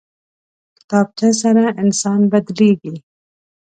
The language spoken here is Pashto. کتابچه سره انسان بدلېږي